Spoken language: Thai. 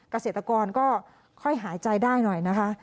เกษตรกรก็ค่อยหายใจได้หน่อยนะคะ